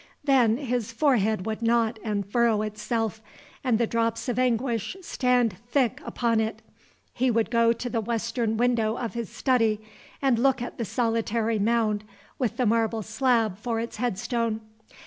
Then his forehead would knot and furrow itself, and the drops of anguish stand thick upon it. He would go to the western window of his study and look at the solitary mound with the marble slab for its head stone.